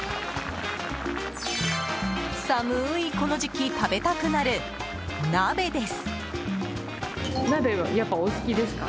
寒いこの時期食べたくなる鍋です。